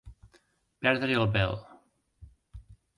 Perdre el bel.